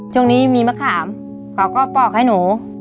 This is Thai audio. ช่วงนี้มีมะขามเขาก็ปอกให้หนู